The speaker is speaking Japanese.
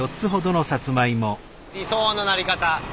理想のなり方。